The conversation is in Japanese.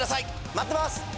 待ってます！